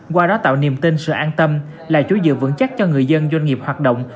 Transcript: qua đó tạo niềm tin sự an tâm lại chối dự vững chắc cho người dân doanh nghiệp hoạt động